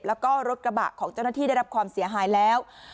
แล้วก็รถกระบะของเจ้าหน้าที่ได้รับความเสียหายแล้ว